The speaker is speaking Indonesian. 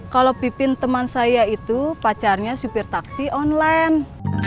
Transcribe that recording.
kalau pipin teman saya itu pacarnya supir taksi online